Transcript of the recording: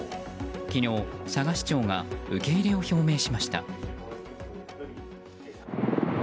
昨日、佐賀市長が受け入れを表明しました。